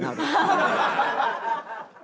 ハハハハ！